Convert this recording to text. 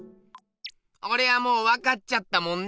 おれはもうわかっちゃったもんね！